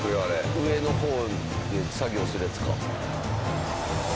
上の方で作業するやつか。